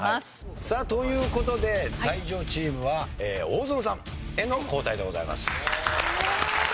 さあという事で才女チームは大園さんへの交代でございます。